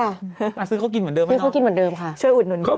นะซึ่งเขากินเหมือนเดิมค่ะ